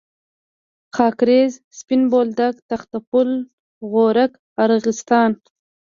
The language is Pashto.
خاکریز، سپین بولدک، تخته پل، غورک، ارغستان.